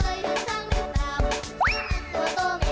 มีใครช่างชาวน้องเกย์ยังช่างเหลือเบา